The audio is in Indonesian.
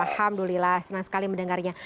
alhamdulillah senang sekali mendengarnya